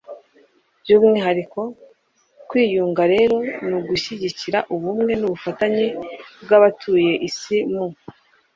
by'umwihariko. kwiyunga rero, ni ugushyigikira ubumwe n'ubufatanye bw'abatuye isi mu